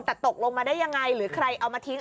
แต่ตกลงมาได้ยังไงหรือใครเอามาทิ้ง